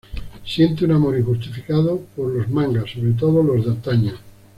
Siente un amor injustificado por los mangas, sobre todo los de antaño.